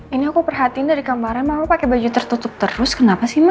ini aku perhatiin dari kemarin mama pake baju tertutup terus kenapa sih ma